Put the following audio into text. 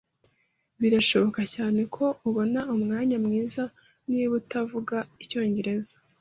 Birashoboka cyane ko ubona umwanya mwiza niba utavuga icyongereza.